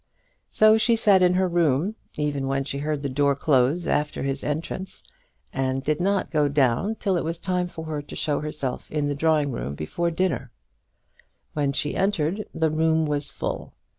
So she sat in her room, even when she heard the door close after his entrance, and did not go down till it was time for her to show herself in the drawing room before dinner. When she entered the room was full.